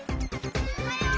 ・おはよう。